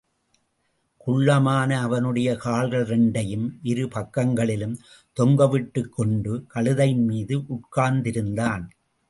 குள்ளமான அவனுடைய கால்கள் இரண்டையும் இரு பக்கங்களிலும் தொங்கவிட்டுக் கொண்டு, கழுதையின் மீது உட்கார்ந்திருந்தான்.